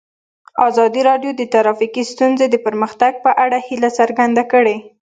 ازادي راډیو د ټرافیکي ستونزې د پرمختګ په اړه هیله څرګنده کړې.